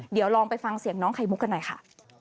เดี๋ยวลองไปฟังเสียงน้องไข่มุกกันหน่อยค่ะ